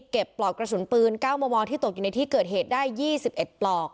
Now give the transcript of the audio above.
ปลอกกระสุนปืน๙มมที่ตกอยู่ในที่เกิดเหตุได้๒๑ปลอก